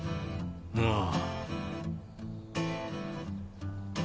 ああ。